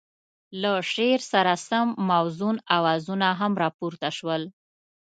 له شعر سره سم موزون اوازونه هم را پورته شول.